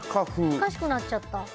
難しくなっちゃった。